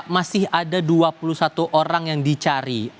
jadi ada dua puluh satu orang yang dicari